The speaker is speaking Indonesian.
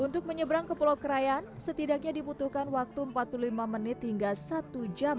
untuk menyeberang ke pulau kerayan setidaknya dibutuhkan waktu empat puluh lima menit hingga satu jam